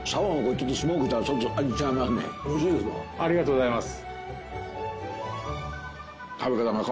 ありがとうございます。